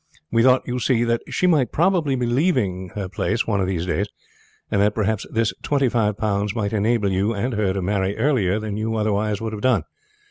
We thought, you see, that she might probably be leaving her place one of these days, and that perhaps this twenty five pounds might enable you and her to marry earlier than you otherwise would have done.